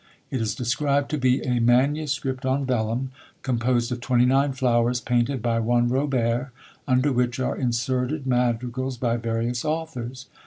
It is described to be "a manuscript on vellum, composed of twenty nine flowers painted by one Robert, under which are inserted madrigals by various authors."